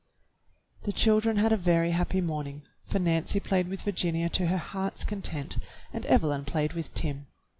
The children had a very happy morning, for Nancy played with Virginia to her heart's content, and Evelyn played with Tim.